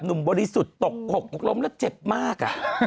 บริสุทธิ์ตกหกล้มแล้วเจ็บมาก